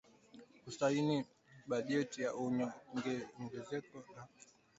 kusaini bajeti ya nyongeza kwa malipo ya shilingi bilioni thelathini na nne za Kenya